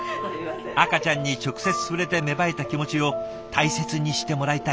赤ちゃんに直接触れて芽生えた気持ちを大切にしてもらいたい。